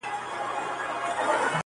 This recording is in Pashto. زما د زما د يار راته خبري کوه